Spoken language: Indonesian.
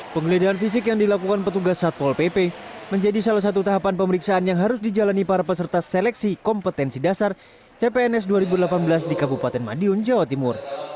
penggeledahan fisik yang dilakukan petugas satpol pp menjadi salah satu tahapan pemeriksaan yang harus dijalani para peserta seleksi kompetensi dasar cpns dua ribu delapan belas di kabupaten madiun jawa timur